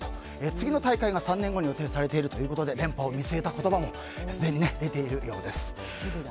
次の大会が３年後に予定されているということで連覇を見据えた言葉もすでに出ているようです。